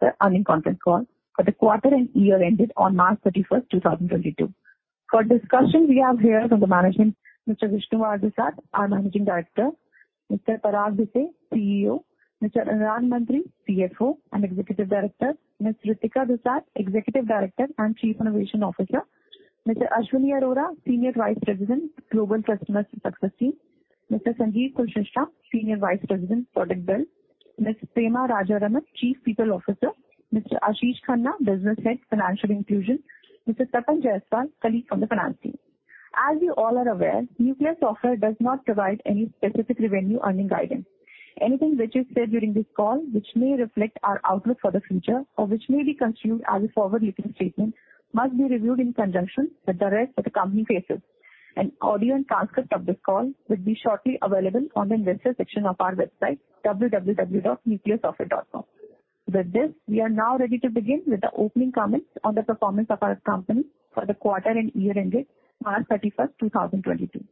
This is the earnings conference call for the quarter and year ended on March 31, 2022. For discussion, we have here from the management Mr. Vishnu R. Dusad, our Managing Director, Mr. Parag Bhise, CEO, Mr. Anurag Mantri, CFO and Executive Director, Ms. Ritika Dusad, Executive Director and Chief Innovation Officer, Mr. Ashwani Arora, Senior Vice President, Global Customer Success Team, Mr. Sanjeev Kulshreshtha, Senior Vice President, Product Build, Ms. Prema Rajaraman, Chief People Officer, Mr. Ashish Khanna, Business Head, Financial Inclusion, Mr. Tapan Jaiswal, colleague from the finance team. As you all are aware, Nucleus Software does not provide any specific revenue or earnings guidance. Anything which is said during this call which may reflect our outlook for the future or which may be construed as a forward-looking statement must be reviewed in conjunction with the rest of the company filings. An audio and transcript of this call will be shortly available on the investor section of our website, www.nucleussoftware.com. With this, we are now ready to begin with the opening comments on the performance of our company for the quarter and year ended March 31, 2022.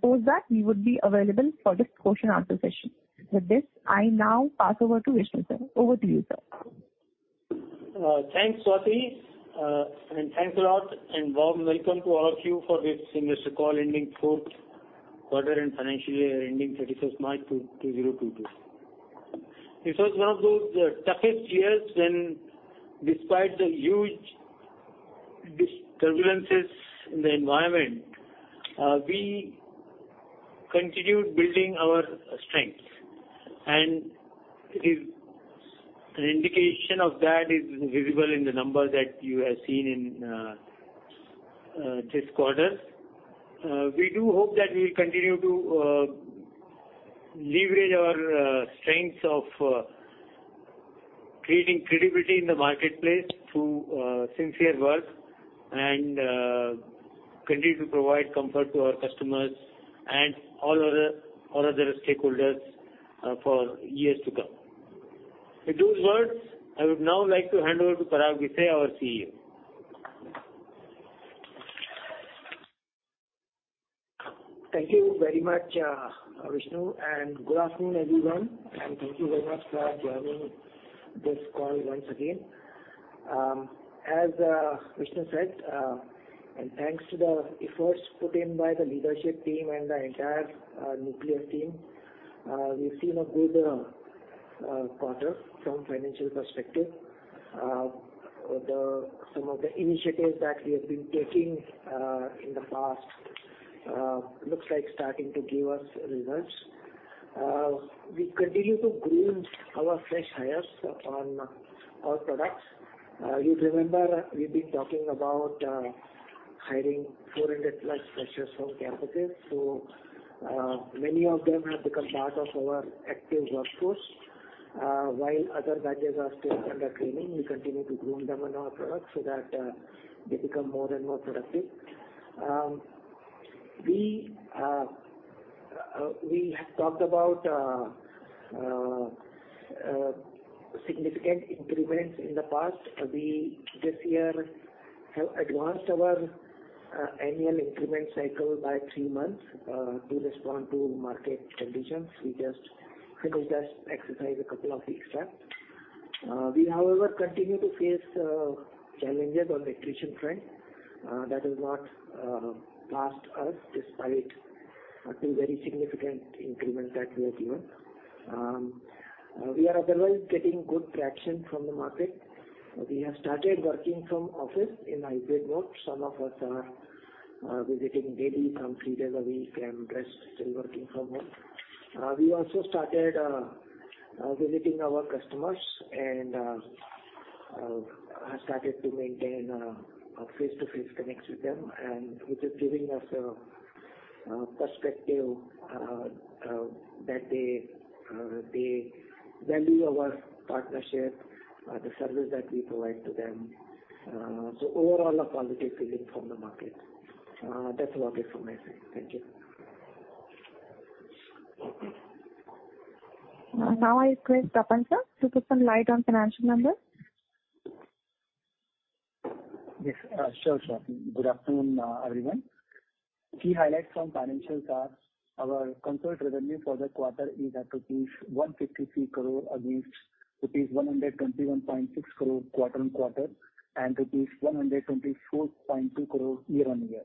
Post that, we would be available for this question answer session. With this, I now pass over to Vishnu, sir. Over to you, sir. Thanks, Swati. Thanks a lot, warm welcome to all of you for this investor call ending Q4 and financial year ending thirty-first March 2022. It was one of those toughest years when despite the huge disturbances in the environment, we continued building our strength. It is an indication that is visible in the numbers that you have seen in this quarter. We do hope that we'll continue to leverage our strengths of creating credibility in the marketplace through sincere work and continue to provide comfort to our customers and all other stakeholders for years to come. With those words, I would now like to hand over to Parag Bhise, our CEO. Thank you very much, Vishnu, and good afternoon, everyone, and thank you very much for joining this call once again. As Vishnu said, and thanks to the efforts put in by the leadership team and the entire Nucleus team, we've seen a good quarter from financial perspective. Some of the initiatives that we have been taking in the past looks like starting to give us results. We continue to groom our fresh hires on our products. You'd remember we've been talking about hiring 400+ freshers from campuses. Many of them have become part of our active workforce while other batches are still under training. We continue to groom them on our products so that they become more and more productive. We have talked about significant improvements in the past. We this year have advanced our annual improvement cycle by three months to respond to market conditions. We just finished this exercise a couple of weeks back. We, however, continue to face challenges on attrition front. That has not passed us despite a few very significant improvements that we have given. We are otherwise getting good traction from the market. We have started working from office in hybrid mode. Some of us are visiting daily, some three days a week, and rest still working from home. We also started visiting our customers and have started to maintain a face-to-face connection with them, which is giving us a perspective that they value our partnership, the service that we provide to them. Overall a positive feeling from the market. That's about it from my side. Thank you. Now I request Tapan Jaiswal, sir, to put some light on financial numbers. Yes, sure. Good afternoon, everyone. Key highlights from financials are our consolidated revenue for the quarter is at INR 153 crore against INR 121.6 crore quarter-on-quarter and INR 124.2 crore year-on-year.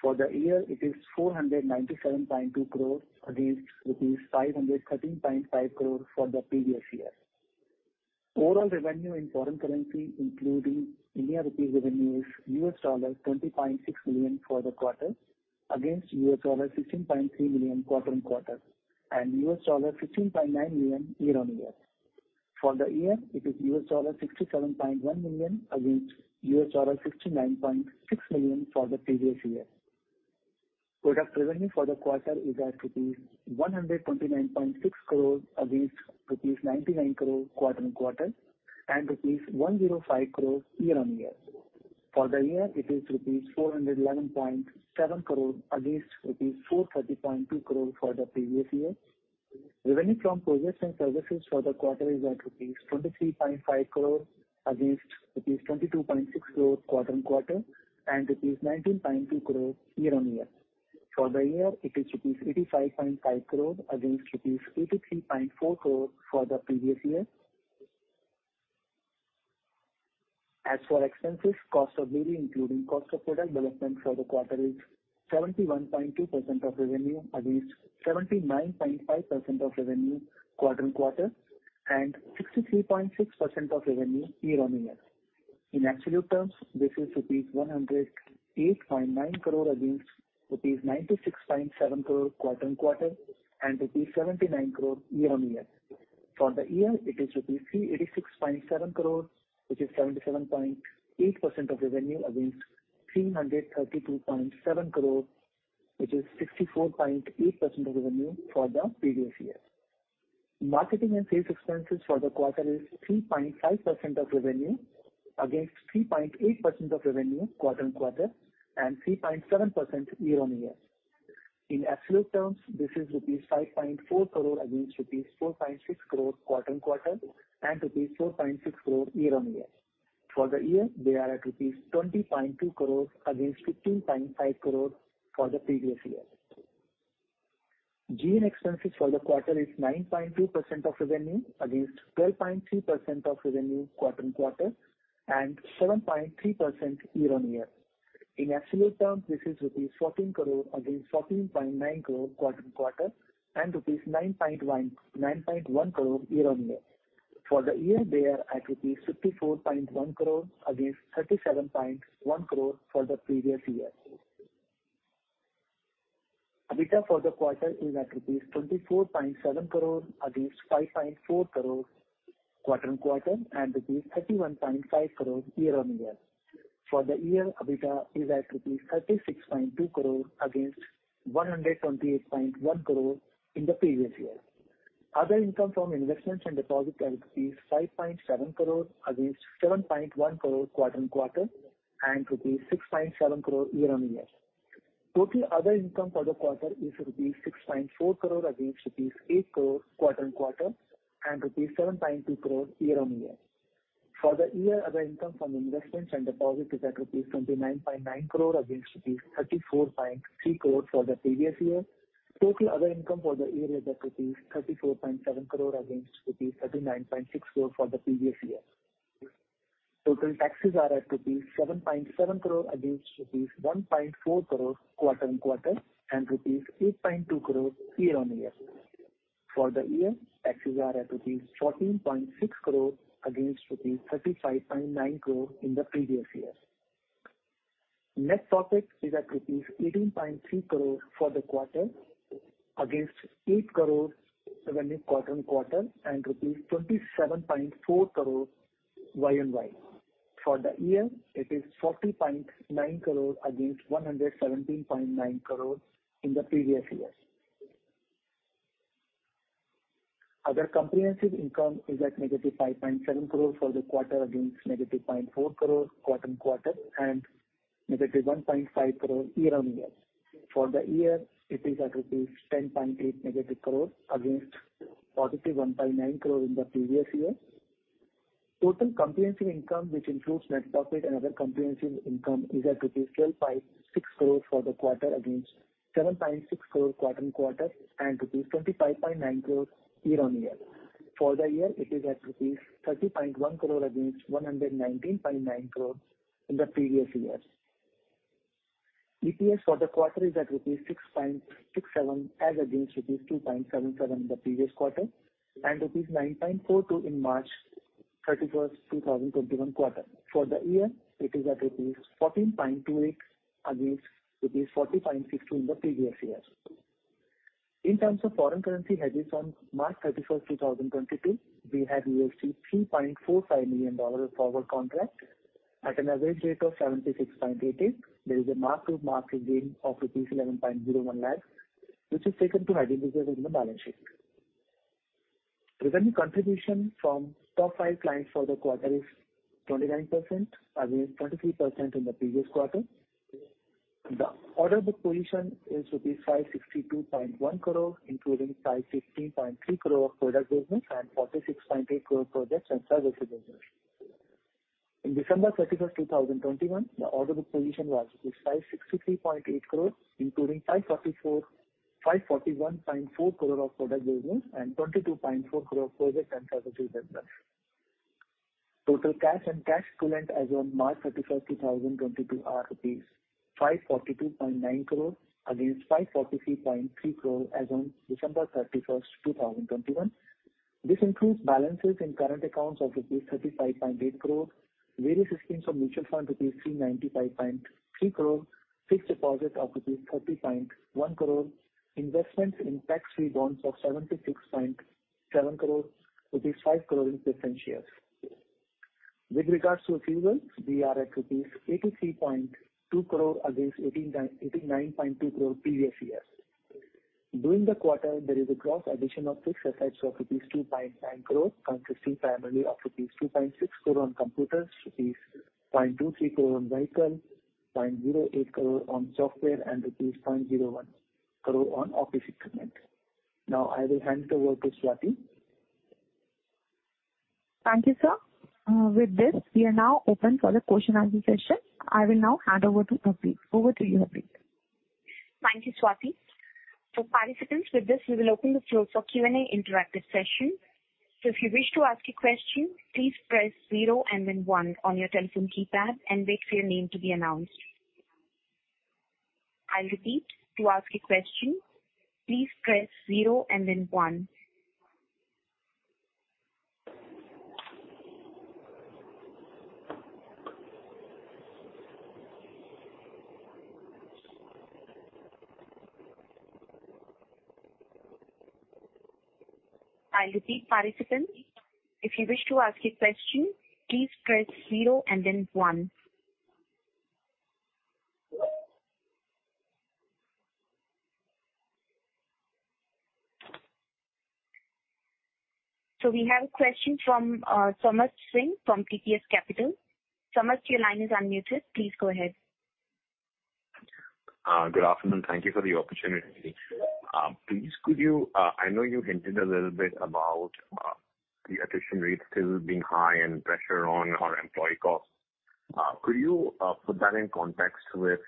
For the year, it is 497.2 crore against INR 513.5 crore for the previous year. Overall revenue in foreign currency, including Indian rupee revenues, $20.6 million for the quarter against $16.3 million quarter-on-quarter and $16.9 million year-on-year. For the year, it is $67.1 million against $69.6 million for the previous year. Product revenue for the quarter is at rupees 129.6 crore against rupees 99 crore quarter-on-quarter and 105 crore year-on-year. For the year, it is rupees 411.7 crore against rupees 430.2 crore for the previous year. Revenue from projects and services for the quarter is at rupees 23.5 crore against rupees 22.6 crore quarter-on-quarter and rupees 19.2 crore year-on-year. For the year, it is rupees 85.5 crore against rupees 83.4 crore for the previous year. As for expenses, cost of revenue, including cost of product development for the quarter is 71.2% of revenue against 79.5% of revenue quarter-on-quarter and 63.6% of revenue year-on-year. In absolute terms, this is rupees 108.9 crore against rupees 96.7 crore quarter-on-quarter and rupees 79 crore year-on-year. For the year, it is rupees 386.7 crore, which is 77.8% of revenue against 332.7 crore, which is 64.8% of revenue for the previous year. Marketing and sales expenses for the quarter is 3.5% of revenue against 3.8% of revenue quarter-on-quarter and 3.7% year-on-year. In absolute terms, this is rupees 5.4 crore against rupees 4.6 crore quarter-on-quarter and rupees 4.6 crore year-on-year. For the year, they are at rupees 20.2 crores against 15.5 crores for the previous year. G&A expenses for the quarter is 9.2% of revenue against 12.3% of revenue quarter-on-quarter and 7.3% year-on-year. In absolute terms, this is rupees 14 crore against 14.9 crore quarter-on-quarter and rupees 9.1 crore year-on-year. For the year, they are at rupees 54.1 crore against 37.1 crore for the previous year. EBITDA for the quarter is at INR 24.7 crore against 5.4 crore quarter-on-quarter and INR 31.5 crore year-on-year. For the year, EBITDA is at INR 36.2 crore against 128.1 crore in the previous year. Other income from investments and deposits are 5.7 crore against 7.1 crore quarter-on-quarter and rupees 6.7 crore year-on-year. Total other income for the quarter is rupees 6.4 crore against rupees 8 crore quarter-on-quarter and rupees 7.2 crore year-on-year. For the year, other income from investments and deposits is at rupees 29.9 crore against rupees 34.3 crore for the previous year. Total other income for the year is at 34.7 crore against rupees 39.6 crore for the previous year. Total taxes are at rupees 7.7 crore against rupees 1.4 crore quarter-on-quarter and rupees 8.2 crore year-on-year. For the year, taxes are at rupees 14.6 crore against rupees 35.9 crore in the previous year. Net profit is at rupees 18.3 crore for the quarter against 8 crore rupees quarter-on-quarter and rupees 27.4 crore year-on-year. For the year, it is 40.9 crore against 117.9 crore in the previous year. Other comprehensive income is at -5.7 crore for the quarter against -0.4 crore quarter-on-quarter and -1.5 crore year-on-year. For the year, it is at -10.8 crore against +1.9 crore in the previous year. Total comprehensive income, which includes net profit and other comprehensive income, is at rupees 12.6 crore for the quarter against 7.6 crore rupees quarter-on-quarter and rupees 25.9 crore year-on-year. For the year, it is at rupees 30.1 crore against 119.9 crore rupees in the previous year. EPS for the quarter is at rupees 6.67 as against rupees 2.77 in the previous quarter and rupees 9.42 in March 31, 2021 quarter. For the year, it is at rupees 14.28 against rupees 40.62 in the previous year. In terms of foreign currency hedges on March 31, 2022, we had $3.45 million forward contract at an average rate of 76.88. There is a mark to market gain of rupees 11.01 lakhs, which is taken to hedge reserves in the balance sheet. Revenue contribution from top five clients for the quarter is 29% against 23% in the previous quarter. The order book position is rupees 562.1 crore, including 515.3 crore of product business and 46.8 crore projects and services business. In December thirty-first, two thousand and twenty-one, the order book position was 563.8 crore, including 541.4 crore of product business and 22.4 crore of projects and services business. Total cash and cash equivalent as on March thirty-first, two thousand and twenty-two are 542.9 crore rupees against 543.3 crore as on December thirty-first, two thousand and twenty-one. This includes balances in current accounts of rupees 35.8 crore, various schemes of mutual fund, rupees 395.3 crore, fixed deposits of rupees 30.1 crore, investments in tax-free bonds of 76.7 crore, rupees 5 crore in preference shares. With regards to accruals, we are at rupees 83.2 crore against 18.9, 89.2 crore previous year. During the quarter, there is a gross addition of fixed assets of rupees 2.9 crore, consisting primarily of rupees 2.6 crore on computers, rupees 0.23 crore on vehicle, 0.08 crore on software, and rupees 0.01 crore on office equipment. Now I will hand it over to Swati. Thank you, sir. With this, we are now open for the question answer session. I will now hand over to Abhi. Over to you, Abhi. Thank you, Swati. Participants, with this, we will open the floor for Q&A interactive session. If you wish to ask a question, please press zero and then one on your telephone keypad and wait for your name to be announced. I'll repeat. To ask a question, please press zero and then one. I'll repeat. Participants, if you wish to ask a question, please press zero and then one. We have a question from Samarth Singh from TTS Capital. Samarth, your line is unmuted. Please go ahead. Good afternoon. Thank you for the opportunity. Please could you, I know you hinted a little bit about the attrition rates still being high and pressure on our employee costs. Could you put that in context with,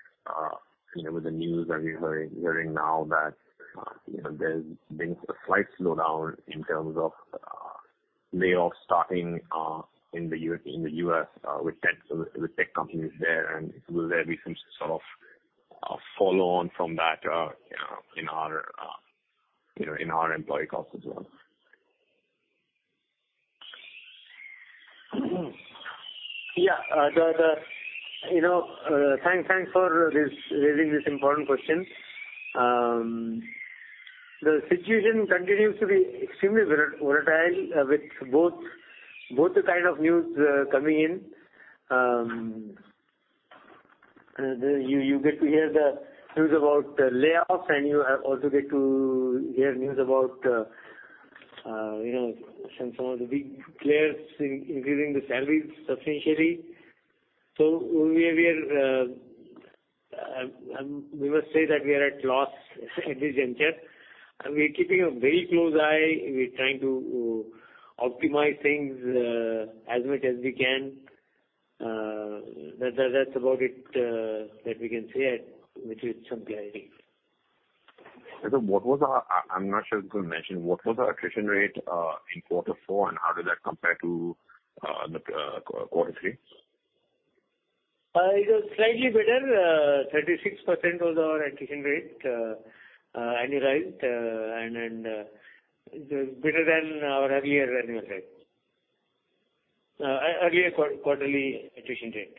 you know, with the news that we're hearing now that, you know, there's been a slight slowdown in terms of layoffs starting in the U.S. with tech companies there, and will there be some sort of follow on from that, you know, in our employee costs as well? Yeah. Thanks for raising this important question. The situation continues to be extremely volatile with both kinds of news coming in. You get to hear the news about the layoffs, and you also get to hear news about you know some of the big players increasing the salaries substantially. We must say that we are at a loss at this juncture, and we're keeping a very close eye. We're trying to optimize things as much as we can. That's about it that we can say with some clarity. Sir, I'm not sure if you mentioned, what was our attrition rate in quarter four, and how did that compare to the quarter three? It was slightly better. 36% was our attrition rate, annualized, and then, it was better than our earlier annual rate. Earlier quarterly attrition rate.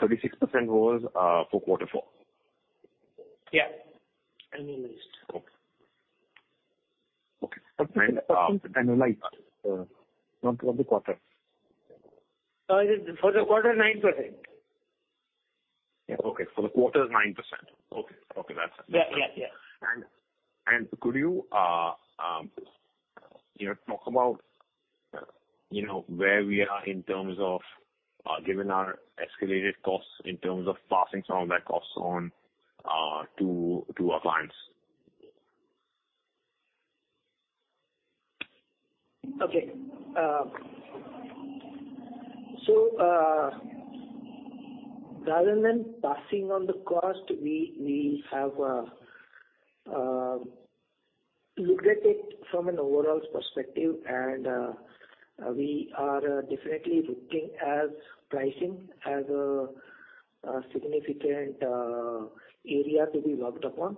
36% was for quarter four? Yeah. Annualized. Okay. Okay. Annualized, not the quarter. It is for the quarter, 9%. Yeah. Okay. For the quarter, it's 9%. Okay. Okay. Yeah. Yeah. Yeah. Could you know, talk about, you know, where we are in terms of given our escalated costs in terms of passing some of that cost on to our clients? Okay. Rather than passing on the cost, we have looked at it from an overall perspective and we are definitely looking at pricing as a significant area to be worked upon.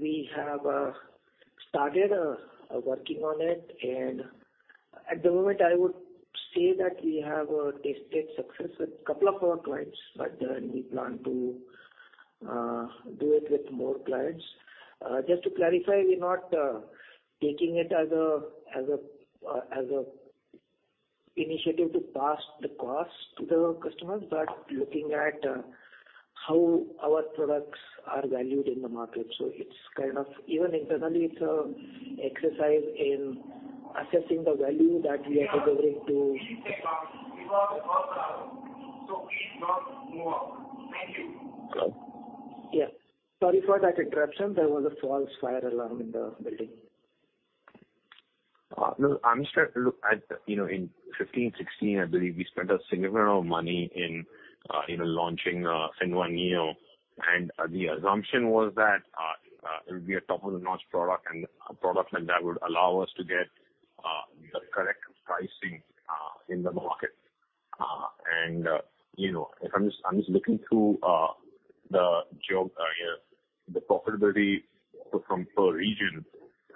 We have started working on it. At the moment I would say that we have tested success with couple of our clients, but we plan to do it with more clients. Just to clarify, we're not taking it as an initiative to pass the cost to the customers, but looking at how our products are valued in the market. It's kind of. Even internally, it's an exercise in assessing the value that we are delivering to Yeah. Sorry for that interruption. There was a false fire alarm in the building. No, I'm just trying to look at, you know, in 2015, 2016, I believe we spent a significant amount of money in, you know, launching FinnOne Neo. The assumption was that it would be a top-notch product and a product like that would allow us to get the correct pricing in the market. You know, if I'm just looking through the geo, you know, the profitability per region.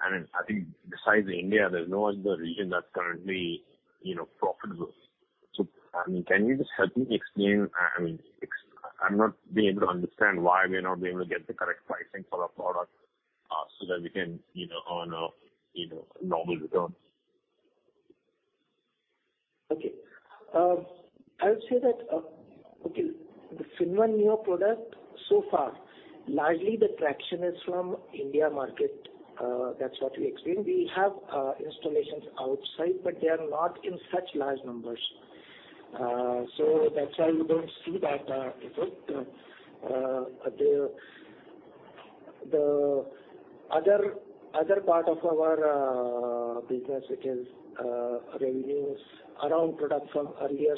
I think besides India, there's no other region that's currently, you know, profitable. I mean, can you just help me explain. I'm not being able to understand why we are not being able to get the correct pricing for our product, so that we can, you know, earn a normal return. Okay. I would say that, okay, the FinnOne Neo product so far, largely the traction is from India market. That's what we explained. We have installations outside, but they are not in such large numbers. So that's why you don't see that effect. The other part of our business, which is revenues around products from earlier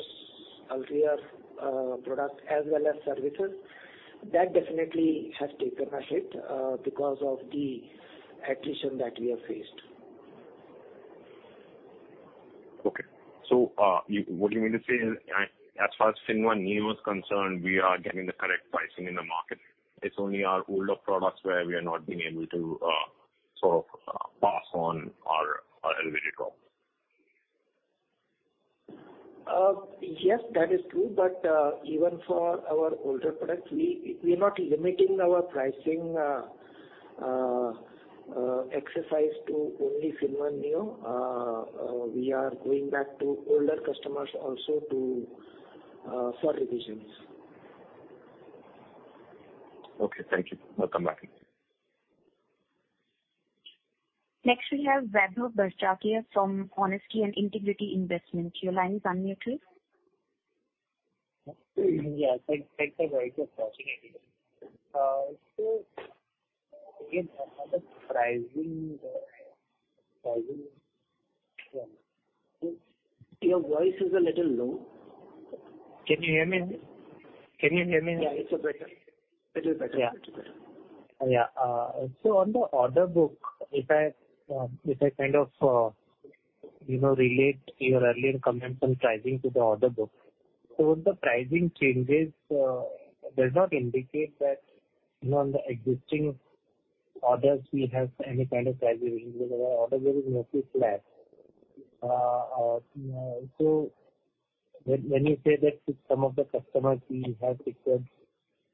products as well as services, that definitely has taken a hit because of the attrition that we have faced. What do you mean to say is, as far as FinnOne Neo is concerned, we are getting the correct pricing in the market. It's only our older products where we are not being able to sort of pass on our elevated costs. Yes, that is true. Even for our older products, we're not limiting our pricing exercise to only FinnOne Neo. We are going back to older customers also for revisions. Okay. Thank you. Welcome back. Next we have Vaibhav Barjatia from Honesty and Integrity Investment. Your line is unmuted. Yeah. Thanks for inviting us. Again on the pricing. Your voice is a little low. Can you hear me? Can you hear me now? Yeah, it's a little better. On the order book, if I kind of, you know, relate your earlier comments on pricing to the order book. The pricing changes does not indicate that, you know, on the existing orders we have any kind of price revision because our order book is mostly flat. When you say that to some of the customers we have secured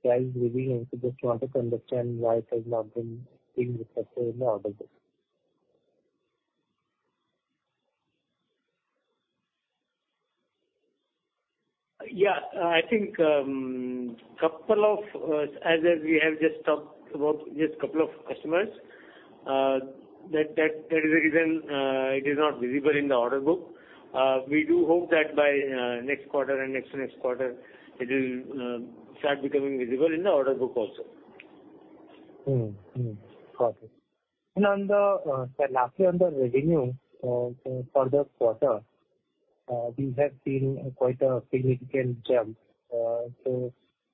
price revision, just wanted to understand why it has not been seen reflected in the order book. Yeah. I think as we have just talked about just couple of customers, that is the reason it is not visible in the order book. We do hope that by next quarter and next-to-next quarter it will start becoming visible in the order book also. Got it. Lastly, on the revenue for this quarter, we have seen quite a significant jump.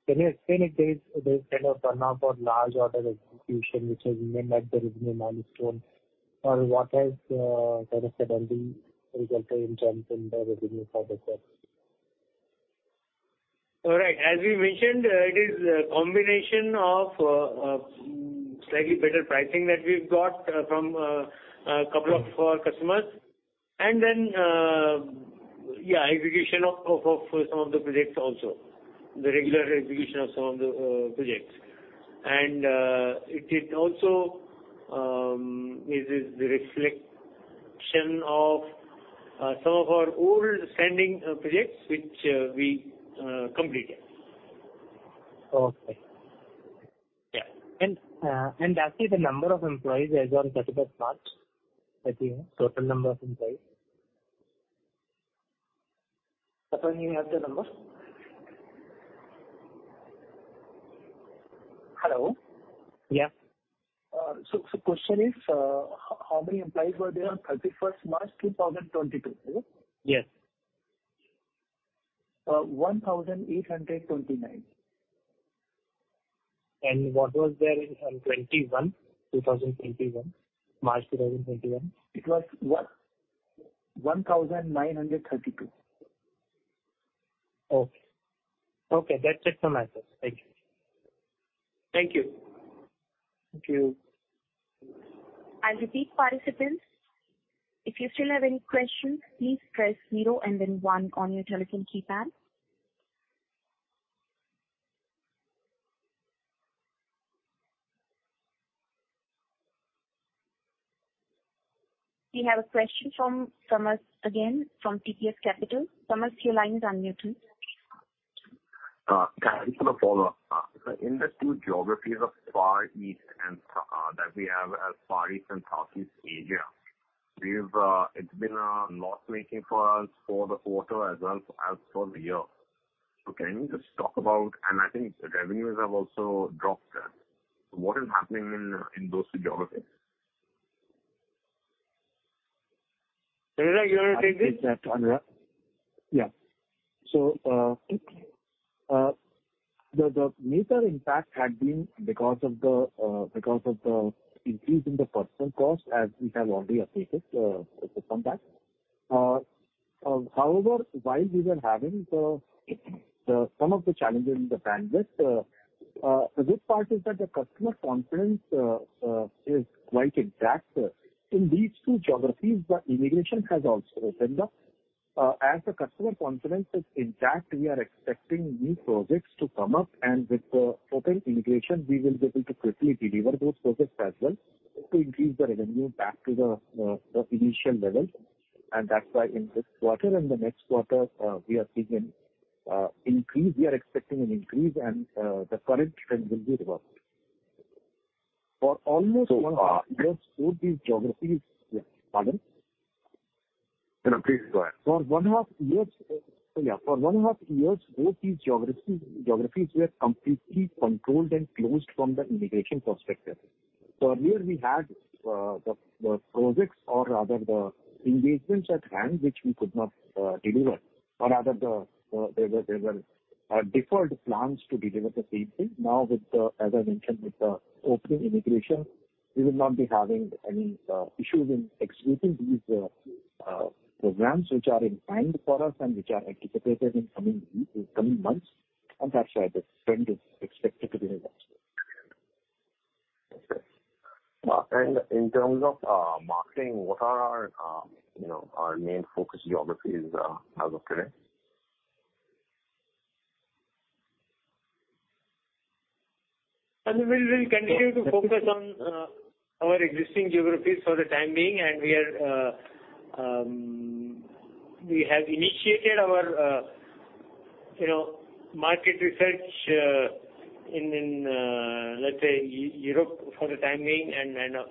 Can you explain if there is kind of one-off or large order execution which has made that the revenue milestone or what has kind of suddenly resulted in jump in the revenue for this quarter? All right. As we mentioned, it is a combination of slightly better pricing that we've got from a couple of our customers. Then, yeah, execution of some of the projects also. The regular execution of some of the projects. It is also the reflection of some of our old standing projects which we completed. Okay. Yeah. lastly, the number of employees as on thirty-first March. I think total number of employees. Satyan, you have the numbers? Hello? Yeah. Question is, how many employees were there on 31 March 2022, is it? Yes. One thousand eight hundred twenty-nine. What was there in 2021? March 2021. It was 1932. Okay. Okay, that's it from my side. Thank you. Thank you. Thank you. I repeat, participants, if you still have any questions, please press zero and then one on your telephone keypad. We have a question from Samarth again from TTS Capital. Samarth, your line is unmuted. Can I ask you a follow-up? In the two geographies of Far East and that we have as Far East and Southeast Asia, we've, it's been loss-making for us for the quarter as well as for the year. Can you just talk about. I think the revenues have also dropped there. What is happening in those two geographies? Satya, you wanna take this? I'll take that, Anurag. Yeah. The major impact had been because of the increase in the personnel cost as we have already updated with the compact. However, while we were having some of the challenges in the bandwidth, the good part is that the customer confidence is quite intact. In these two geographies the integration has also opened up. As the customer confidence is intact, we are expecting new projects to come up. With the open integration we will be able to quickly deliver those projects as well to increase the revenue back to the initial level. That's why in this quarter and the next quarter, we are seeing an increase. We are expecting an increase and the current trend will be reversed. For almost one year both these geographies. So. Pardon? No, please go ahead. For one and a half years, both these geographies were completely controlled and closed from the immigration perspective. Earlier we had the projects or rather the engagements at hand which we could not deliver or rather there were deferred plans to deliver the same thing. Now, as I mentioned, with the opening immigration, we will not be having any issues in executing these programs which are in hand for us and which are anticipated in coming months. That's why the trend is expected to be reversed. Okay. In terms of marketing, what are our, you know, our main focus geographies as of today? We will continue to focus on our existing geographies for the time being. We have initiated our, you know, market research in let's say Europe for the time being.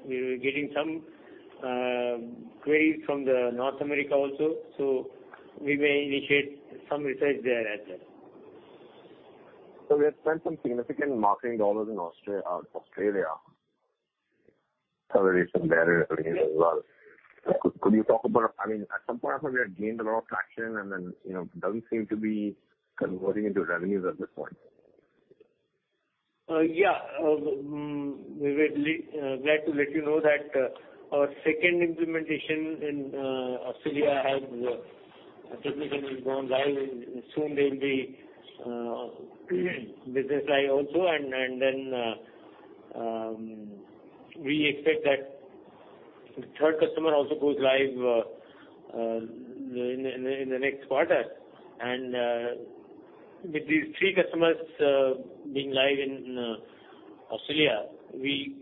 We're getting some queries from North America also, so we may initiate some research there as well. We have spent some significant marketing dollars in Australia. There is some barrier again as well. Could you talk about. I mean, at some point of time we had gained a lot of traction and then, you know, it doesn't seem to be converting into revenues at this point. Glad to let you know that our second implementation in Australia has technically gone live and soon they'll be business live also. We expect that the third customer also goes live in the next quarter. With these three customers being live in Australia, we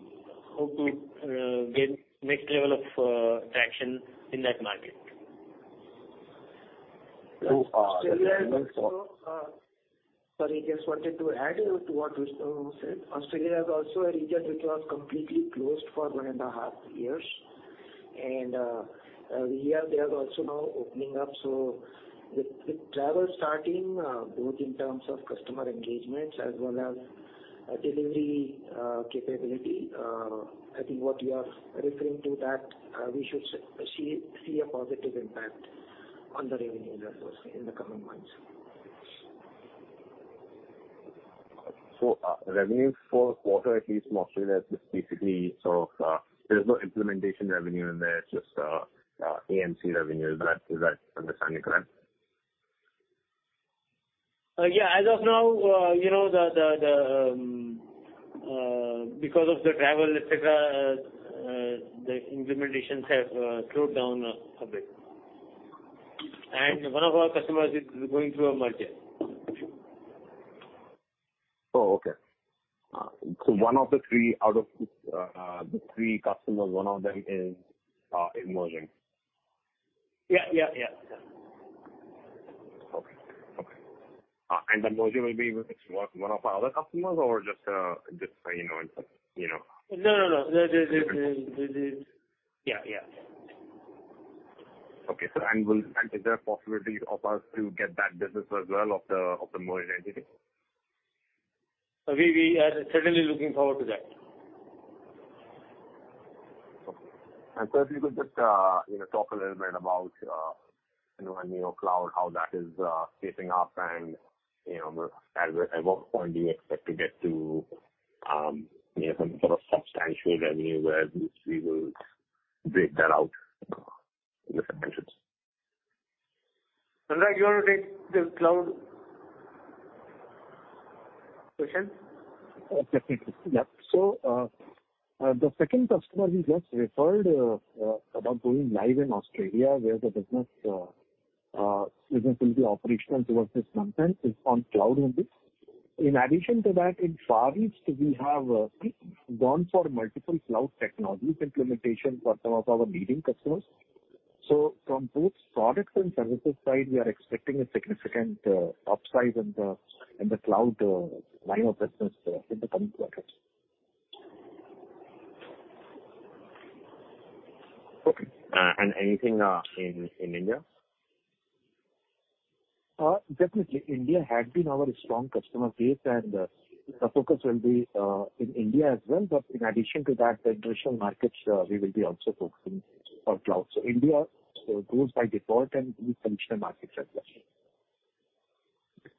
hope to gain next level of traction in that market. So. Sorry, just wanted to add to what Vishnu said. Australia is also a region which was completely closed for one and a half years. Here they are also now opening up. With travel starting, both in terms of customer engagements as well as delivery capability, I think what you are referring to that we should see a positive impact on the revenue numbers in the coming months. Revenue for quarter at least from Australia is basically sort of AMC revenue. Is that understanding correct? Yeah. As of now, you know, because of the travel, et cetera, the implementations have slowed down a bit. One of our customers is going through a merger. Okay. One of the three out of the three customers, one of them is emerging? Yeah, yeah. Okay. The merger will be with one of our other customers or just, you know. No. Yeah. Is there a possibility of us to get that business as well of the merged entity? We are certainly looking forward to that. Okay. Third, you could just, you know, talk a little bit about, you know, Neo Cloud, how that is shaping up and, you know, at what point do you expect to get to, you know, some sort of substantial revenue where we will break that out in the financials? Sanjeev Kulshreshtha, you want to take the cloud question? Definitely. Yeah. The second customer we just referred about going live in Australia, where the business will be operational towards this content is on cloud only. In addition to that, in the Far East we have gone for multiple cloud technologies implementation for some of our leading customers. From both products and services side, we are expecting a significant upside in the cloud line of business in the coming quarters. Okay. Anything in India? Definitely. India had been our strong customer base, and the focus will be in India as well. In addition to that, the traditional markets, we will be also focusing on cloud. India goes by default and traditional markets as well.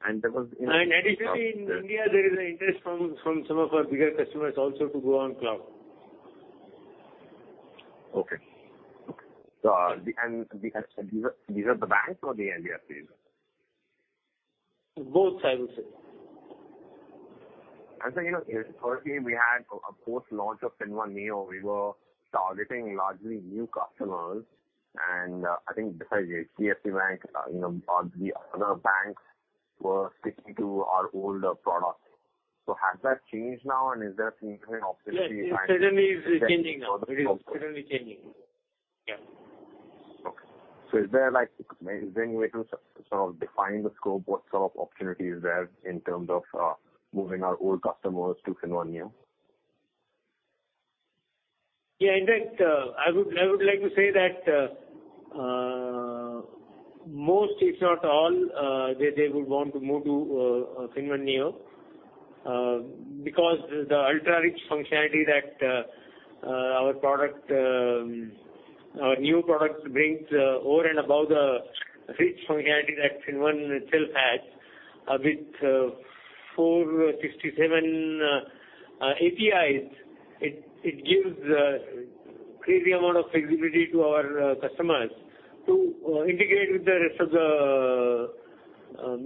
And there was. Additionally, in India there is an interest from some of our bigger customers also to go on cloud. Okay. These are the banks or the NBFCs? Both, I would say. You know, historically we had, of course, launch of FinnOne Neo. We were targeting largely new customers and, I think besides HDFC Bank, you know, all the other banks were sticking to our older product. Has that changed now and is there significant opportunity? Yes, it certainly is changing now. It is certainly changing. Yeah. Okay. Is there like any way to sort of define the scope, what sort of opportunity is there in terms of moving our old customers to FinnOne Neo? Yeah. In fact, I would like to say that most if not all they would want to move to FinnOne Neo because the ultra-rich functionality that our product, our new product brings over and above the rich functionality that FinnOne itself has with 467 APIs. It gives crazy amount of flexibility to our customers to integrate with the rest of the,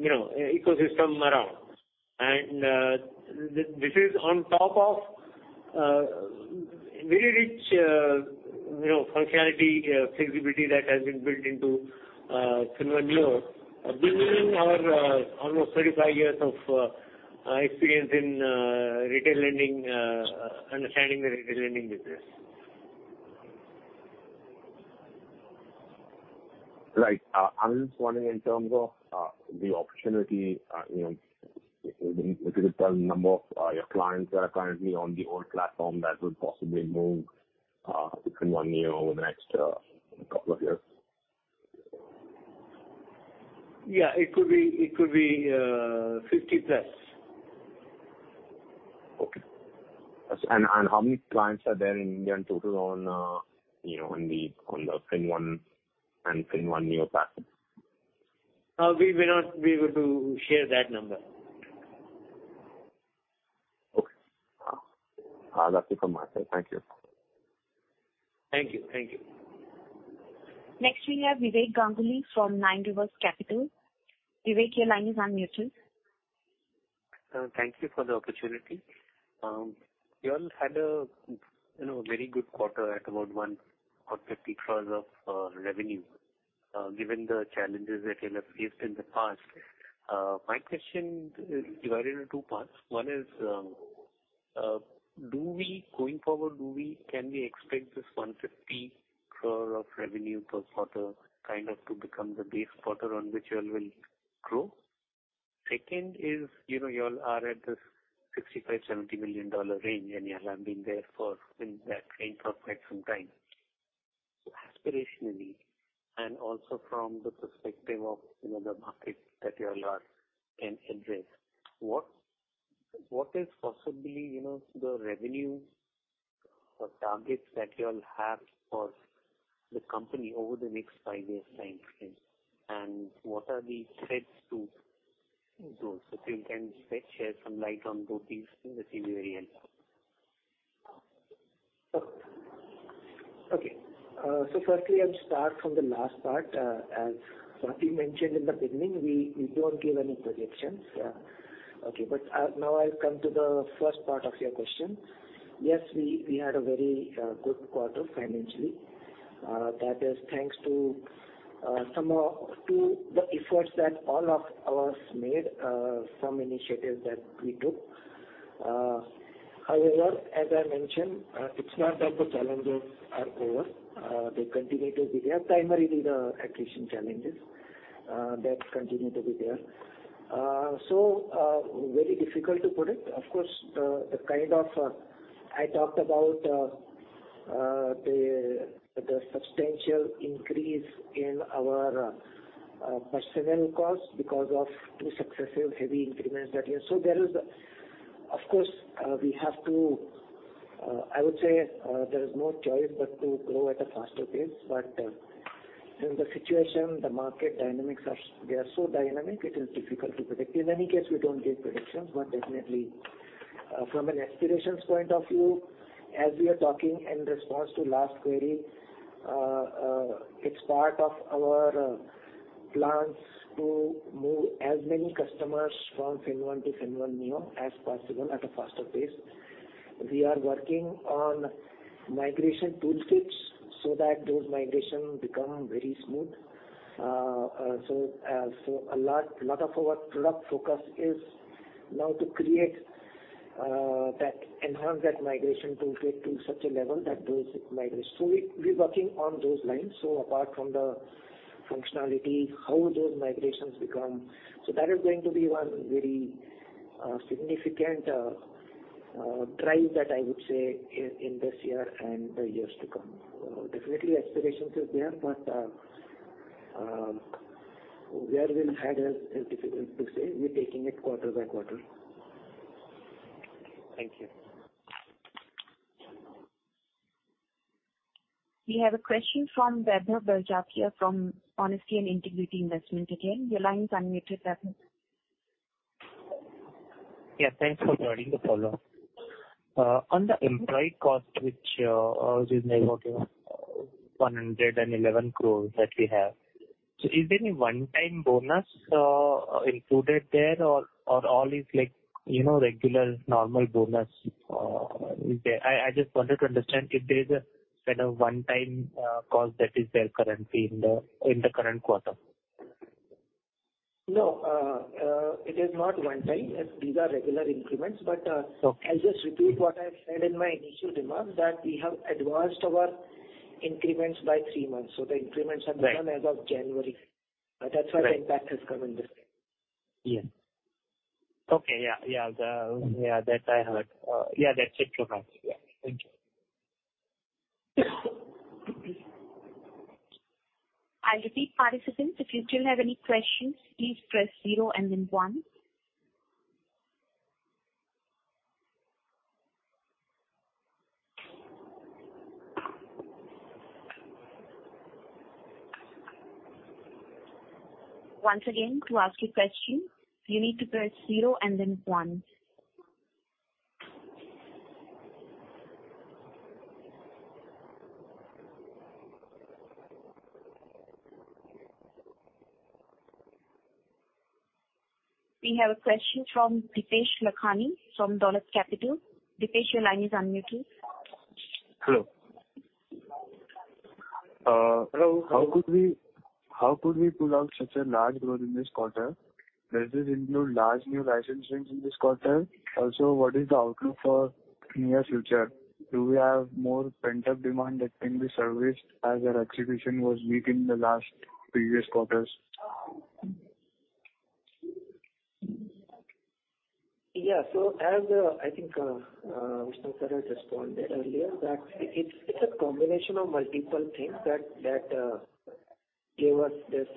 you know, ecosystem around. This is on top of very rich, you know, functionality, flexibility that has been built into FinnOne Neo. This is in our almost 35 years of experience in retail lending understanding the retail lending business. Right. I'm just wondering in terms of, the opportunity, you know, if you could tell the number of, your clients that are currently on the old platform that would possibly move, to FinnOne Neo over the next, couple of years. Yeah, it could be 50+. Okay. How many clients are there in India in total on, you know, on the FinnOne and FinnOne Neo platform? We may not be able to share that number. Okay. That's it from my side. Thank you. Thank you. Thank you. Next we have Vivek Ganguly from Nine Rivers Capital. Vivek, your line is unmuted. Thank you for the opportunity. You all had a you know very good quarter at about 1.50 crores of revenue given the challenges that you'll have faced in the past. My question is divided in two parts. One is going forward can we expect this 1.50 crore of revenue per quarter kind of to become the base quarter on which you all will grow? Second is you know you all are at this $65-$70 million range and you all have been there for in that range for quite some time. Aspirationally and also from the perspective of you know the market that you all are can address what is possibly you know the revenue or targets that you all have for the company over the next five-year time frame? What are the threats to those? If you can shed some light on both these things, it'll be very helpful. Okay. Firstly, I'll start from the last part. As Swati mentioned in the beginning, we don't give any projections. Okay, but now I'll come to the first part of your question. Yes, we had a very good quarter financially. That is thanks to some of to the efforts that all of us made, some initiatives that we took. However, as I mentioned, it's not that the challenges are over. They continue to be there, primarily the acquisition challenges that continue to be there. Very difficult to put it. Of course, the kind of I talked about, the substantial increase in our personnel costs because of two successive heavy increments that we have. There is Of course, we have to. I would say there is no choice but to grow at a faster pace. In the situation, the market dynamics are so dynamic, it is difficult to predict. In any case, we don't give predictions. Definitely, from an aspirations point of view, as we are talking in response to last query, it's part of our plans to move as many customers from FinnOne to FinnOne Neo as possible at a faster pace. We are working on migration toolkits so that those migrations become very smooth. A lot of our product focus is now to create that enhanced migration toolkit to such a level that those migrations. We're working on those lines. Apart from the functionality, how those migrations become. That is going to be one very significant drive that I would say in this year and the years to come. Definitely aspirations is there, but where we'll head is difficult to say. We're taking it quarter by quarter. Thank you. We have a question from Vaibhav Barjatia from Honesty and Integrity Investments again. Your line is unmuted, Vaibhav. Yeah. Thanks for adding the follow-up. On the employee cost, which is -111 crores that we have. Is there any one-time bonus included there or all is like, you know, regular normal bonus, is there? I just wanted to understand if there is a kind of one-time cost that is there currently in the current quarter. No. It is not one time. These are regular increments. Okay. I'll just repeat what I said in my initial remarks, that we have advanced our increments by three months. The increments are done. Right. As of January. That's why Right. The impact has come in this time. Yes. Okay. Yeah, yeah. The, yeah, that I heard. Yeah, that's it, Prakash. Yeah. Thank you. I'll repeat. Participants, if you still have any questions, please press zero and then one. Once again, to ask a question, you need to press zero and then one. We have a question from Dipesh Lakhani from Dolat Capital. Dipesh, your line is unmuted. Hello. Hello. How could we pull out such a large growth in this quarter? Does this include large new license wins in this quarter? Also, what is the outlook for near future? Do we have more pent-up demand that can be serviced as our execution was weak in the last previous quarters? Yeah. As I think, Vishnu sir has responded earlier that it's a combination of multiple things that gave us this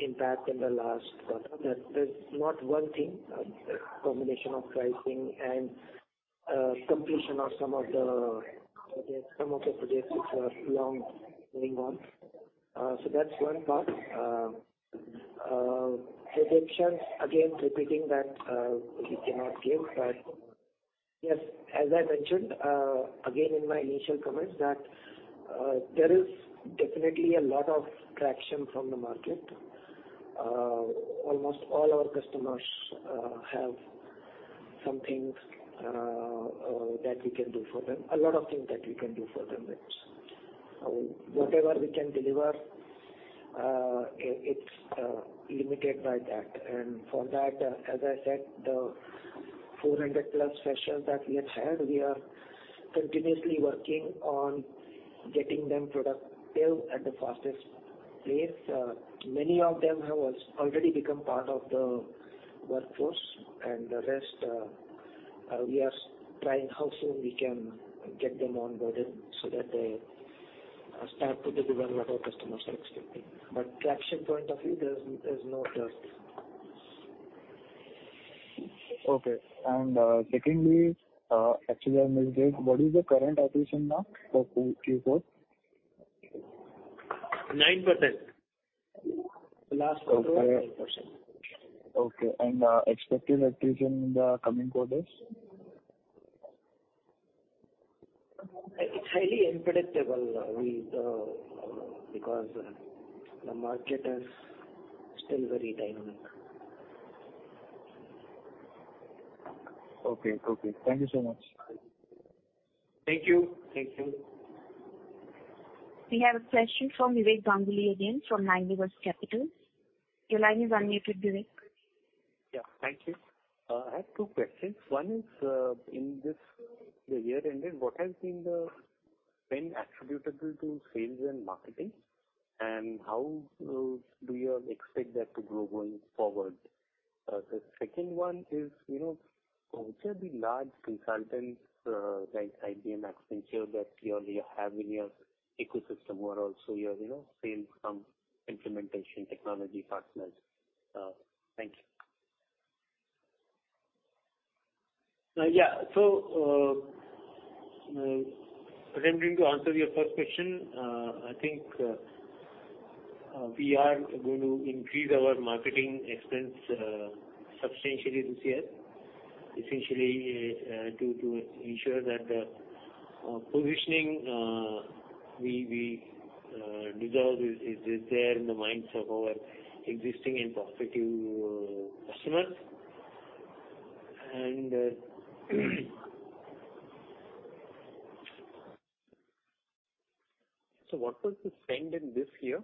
impact in the last quarter. That there's not one thing. A combination of pricing and completion of some of the projects which were long going on. That's one part. Projections, again, repeating that, we cannot give. Yes, as I mentioned, again, in my initial comments that there is definitely a lot of traction from the market. Almost all our customers have some things that we can do for them. A lot of things that we can do for them. That's whatever we can deliver. It's limited by that. As I said, the 400+ freshers that we have had, we are continuously working on getting them productive at the fastest pace. Many of them have already become part of the workforce, and the rest, we are trying how soon we can get them onboarded so that they start to deliver what our customers are expecting. Traction point of view, there's no dearth. Okay. Secondly, actually I missed it. What is the current attrition now for Q4? 9%. The last quarter was 9%. Okay. Expected attrition in the coming quarters? It's highly unpredictable because the market is still very dynamic. Okay. Thank you so much. Thank you. Thank you. We have a question from Vivek Ganguly again from Nine Rivers Capital. Your line is unmuted, Vivek. Yeah. Thank you. I have two questions. One is, in this, the year ended, what has been the spend attributable to sales and marketing, and how do you expect that to grow going forward? The second one is, you know, which are the large consultants, like IBM, Accenture that you're, you have in your ecosystem or also your, you know, sales from implementation technology partners? Thank you. Yeah. Attempting to answer your first question. I think we are going to increase our marketing expense substantially this year, essentially, to ensure that the positioning we deserve is there in the minds of our existing and prospective customers. What was the spend in this year?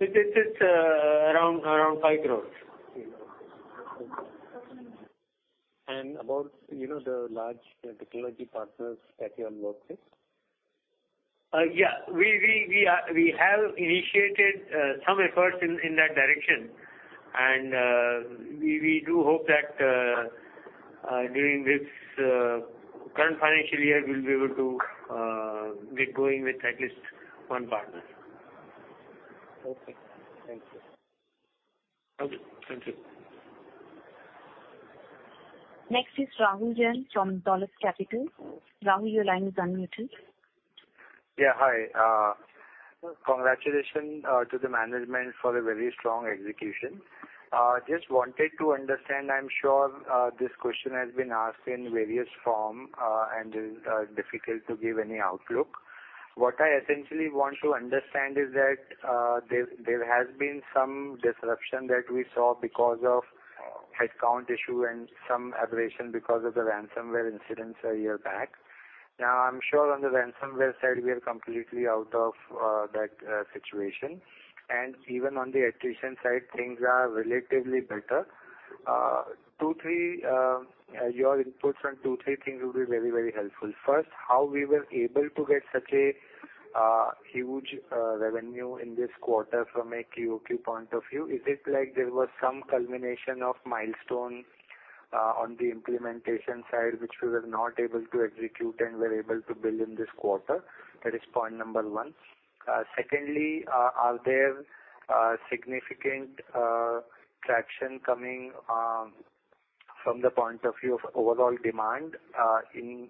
It is around 5 crores. Okay. Thank you. About, you know, the large technology partners that you are working? Yeah. We have initiated some efforts in that direction. We do hope that during this current financial year, we'll be able to get going with at least one partner. Okay. Thank you. Okay. Thank you. Next is Rahul Jain from Dolat Capital. Rahul, your line is unmuted. Yeah. Hi. Congratulations to the management for a very strong execution. Just wanted to understand. I'm sure this question has been asked in various form and is difficult to give any outlook. What I essentially want to understand is that there has been some disruption that we saw because of headcount issue and some aberration because of the ransomware incidents a year back. Now, I'm sure on the ransomware side, we are completely out of that situation. Even on the attrition side, things are relatively better. Two, three, your inputs on two, three things will be very, very helpful. First, how we were able to get such a huge revenue in this quarter from a QOQ point of view. Is it like there was some culmination of milestone on the implementation side, which we were not able to execute and we're able to build in this quarter? That is point number one. Secondly, are there significant traction coming from the point of view of overall demand in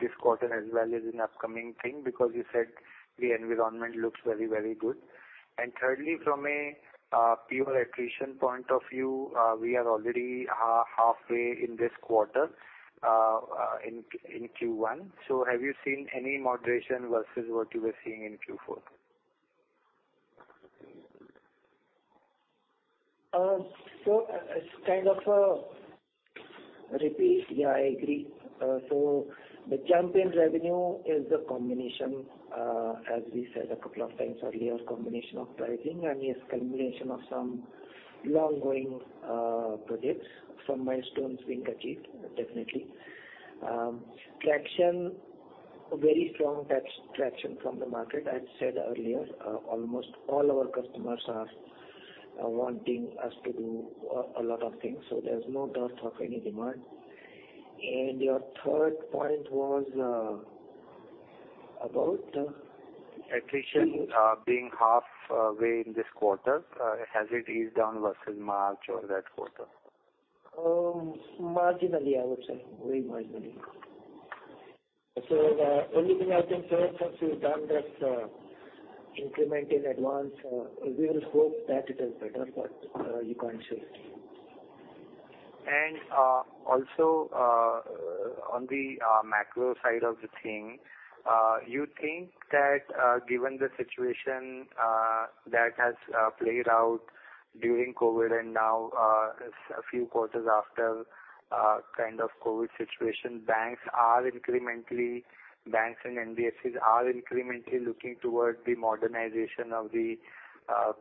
this quarter as well as in upcoming thing? Because you said the environment looks very, very good. Thirdly, from a pure attrition point of view, we are already halfway in this quarter in Q1. Have you seen any moderation versus what you were seeing in Q4? It's kind of a repeat. Yeah, I agree. The champion revenue is a combination, as we said a couple of times earlier, combination of pricing and, yes, combination of some ongoing projects, some milestones being achieved, definitely. Traction, very strong traction from the market. I said earlier, almost all our customers are wanting us to do a lot of things, so there's no doubt of any demand. Your third point was about. Attrition, being halfway in this quarter, has it eased down versus March or that quarter? Marginally, I would say. Very marginally. The only thing I can say is once we've done that, increment in advance, we will hope that it is better, but you can't say. also, on the macro side of the thing, you think that, given the situation that has played out during COVID and now, a few quarters after, kind of COVID situation, banks and NBFCs are incrementally looking towards the modernization of the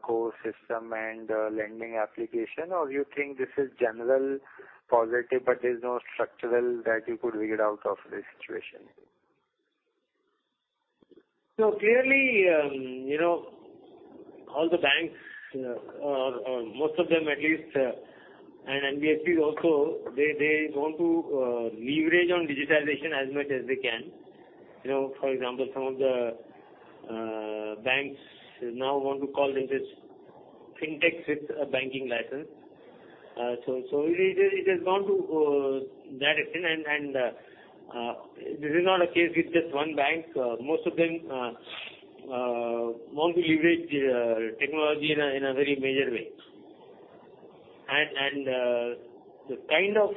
core system and lending application. Or you think this is general positive, but there's no structural that you could read out of this situation? Clearly, you know, all the banks, or most of them at least, and NBFCs also, they want to leverage on digitalization as much as they can. You know, for example, some of the banks now want to call themselves Fintechs with a banking license. It has gone to that extent. This is not a case with just one bank. Most of them want to leverage technology in a very major way. The kind of,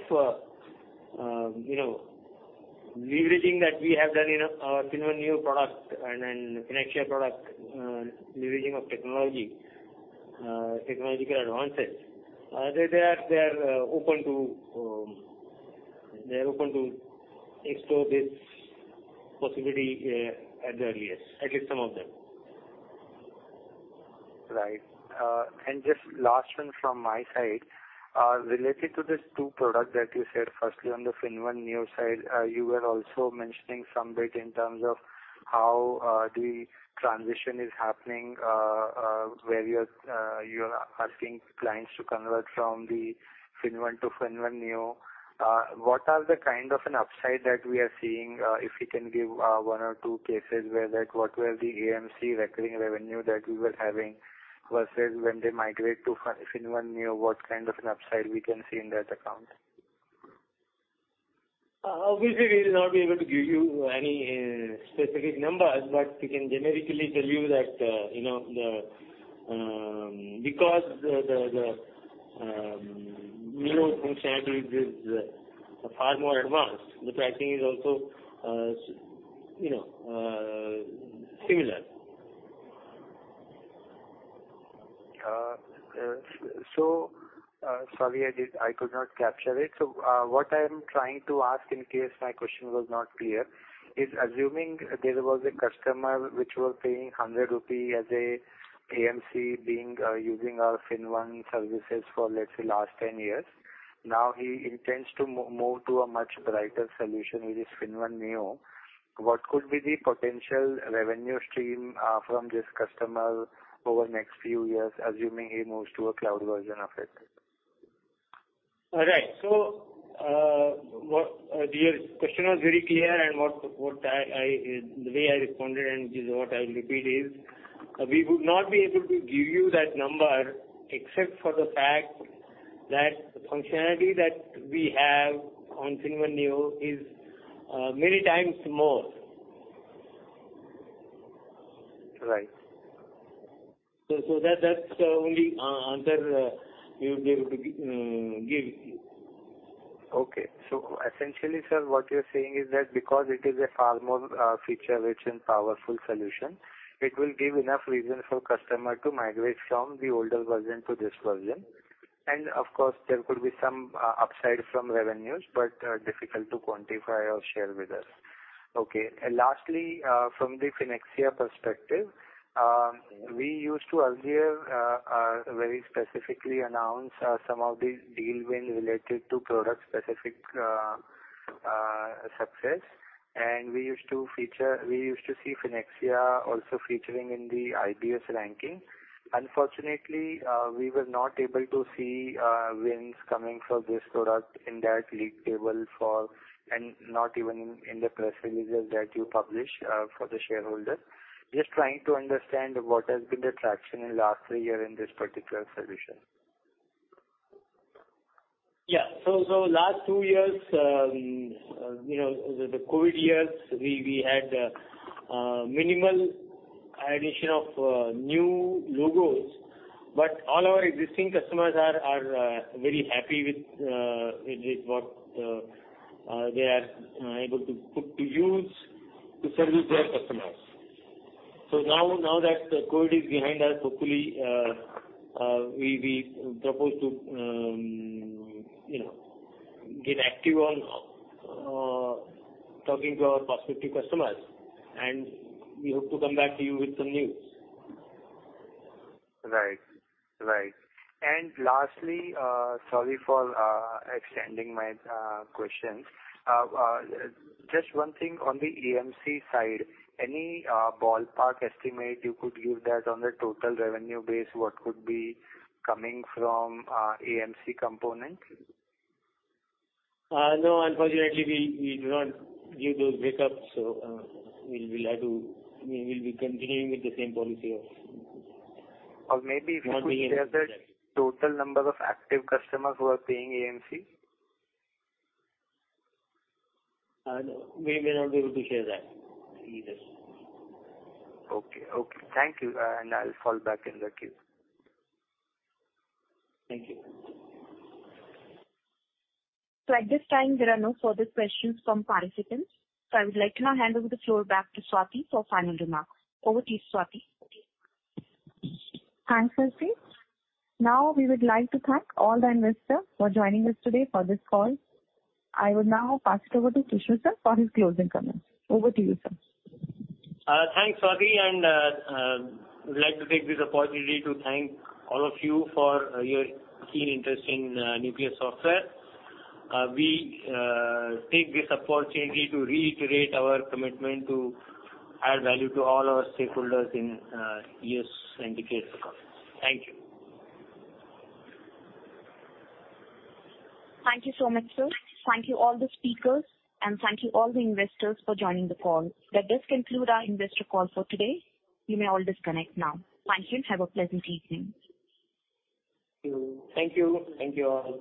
you know, leveraging that we have done in our FinOne Neo product and then FinnAxia product, leveraging of technology, technological advances, they are open to explore this possibility at the earliest, at least some of them. Right. Just last one from my side. Related to these two products that you said, firstly, on the FinnOne Neo side, you were also mentioning a bit in terms of how the transition is happening, where you're asking clients to convert from the FinnOne to FinnOne Neo. What are the kind of upside that we are seeing? If you can give one or two cases where what were the AMC recurring revenue that we were having versus when they migrate to FinnOne Neo, what kind of upside we can see in that account? Obviously we will not be able to give you any specific numbers, but we can generically tell you that, you know, because the Neo functionality is far more advanced, the pricing is also, you know, similar. Sorry, I could not capture it. What I'm trying to ask in case my question was not clear is assuming there was a customer which were paying 100 rupee as an AMC being using our FinnOne services for, let's say, last 10 years. Now he intends to move to a much better solution, which is FinnOne Neo. What could be the potential revenue stream from this customer over the next few years, assuming he moves to a cloud version of it? All right. Your question was very clear and the way I responded and is what I'll repeat is, we would not be able to give you that number except for the fact that the functionality that we have on FinnOne Neo is many times more. Right. That's the only answer we would be able to give. Okay. Essentially, sir, what you're saying is that because it is a far more feature-rich and powerful solution, it will give enough reason for customer to migrate from the older version to this version. Of course, there could be some upside from revenues, but difficult to quantify or share with us. Okay. Lastly, from the FinnAxia perspective, we used to earlier very specifically announce some of the deal win related to product-specific success. We used to see FinnAxia also featuring in the IBS ranking. Unfortunately, we were not able to see wins coming from this product in that league table. Not even in the press releases that you publish for the shareholder. Just trying to understand what has been the traction in the last three years in this particular solution? Last two years, you know, the COVID years, we had minimal addition of new logos. All our existing customers are very happy with what they are able to put to use to service their customers. Now that COVID is behind us, hopefully, we propose to, you know, get active on talking to our prospective customers. We hope to come back to you with some news. Right. Lastly, sorry for extending my question. Just one thing on the AMC side. Any ballpark estimate you could give that on the total revenue base, what could be coming from AMC component? No, unfortunately, we do not give those breakups. We'll have to. We'll be continuing with the same policy of. Maybe if you could share the total number of active customers who are paying AMC. No, we may not be able to share that either. Okay. Thank you. I'll fall back in the queue. Thank you. At this time, there are no further questions from participants. I would like to now hand over the floor back to Swati for final remarks. Over to you, Swati. Thanks, Srishti. Now, we would like to thank all the investors for joining us today for this call. I will now pass it over to Vishnu R. Dusad, sir for his closing comments. Over to you, sir. Thanks, Swati. Would like to take this opportunity to thank all of you for your keen interest in Nucleus Software. We take this opportunity to reiterate our commitment to add value to all our stakeholders in years and decades to come. Thank you. Thank you so much, sir. Thank you all the speakers, and thank you all the investors for joining the call. Let this conclude our investor call for today. You may all disconnect now. Thank you, and have a pleasant evening. Thank you all.